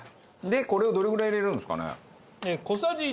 でこれをどれぐらい入れるんですかね。